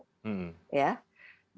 dan kembalikan pengaruh kekuasaan